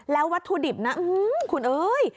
แล้ววัตถุดิบนะคุณเอ้ย